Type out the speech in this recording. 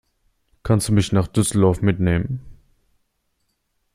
Kannst du mich nach Düsseldorf mitnehmen?